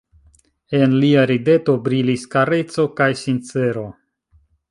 En lia rideto brilis kareco kaj sincero.